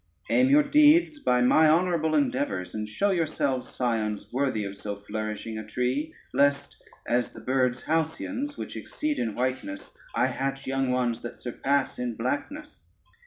Aim your deeds by my honorable endeavors, and show yourselves scions worthy of so flourishing a tree, lest, as the birds Halcyones, which exceed in whiteness, I hatch young ones that surpass in blackness.